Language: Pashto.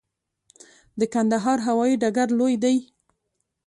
د کندهار هوايي ډګر لوی دی